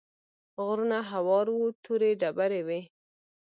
غرونه هوار وو تورې ډبرې وې.